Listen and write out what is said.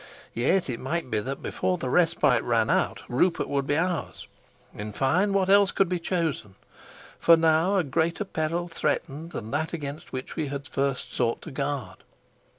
Yet it might be that before the respite ran out Rupert would be ours. In fine, what else could be chosen? For now a greater peril threatened than that against which we had at the first sought to guard.